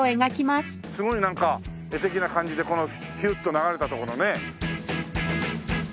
すごいなんか絵的な感じでこのヒュッと流れたとこのね。